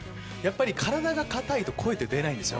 体が硬いと声って出ないんですよ。